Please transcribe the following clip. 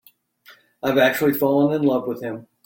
I've actually fallen in love with him.